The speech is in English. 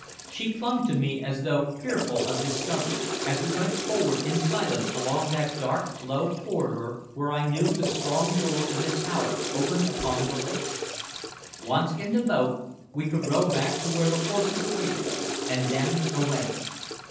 She clung to me as though fearful of discovery, as we went forward in silence along that dark, low corridor where I knew the strong door in the tower opened upon the lake. Once in the boat, and we could row back to where the horses awaited us, and then away.